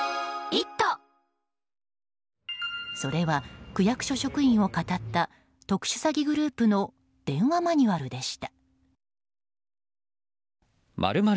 それは区役所職員をかたった特殊詐欺グループの電話マニュアルでした。